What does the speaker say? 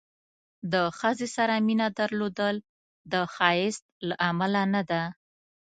د ښځې سره مینه درلودل د ښایست له امله نه ده.